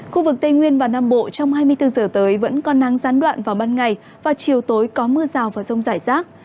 khu vực tây nguyên và nam bộ trong hai mươi bốn giờ tới vẫn còn nắng gián đoạn vào ban ngày và chiều tối có mưa rào và rông rải rác